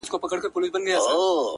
زما د سرڅښتنه اوس خپه سم که خوشحاله سم!